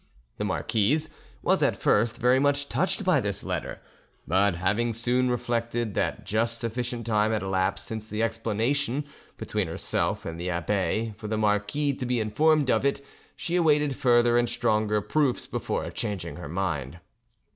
The marquise was, at first, very much touched by this letter; but having soon reflected that just sufficient time had elapsed since the explanation between herself and the abbe for the marquis to be informed of it, she awaited further and stronger proofs before changing her mind.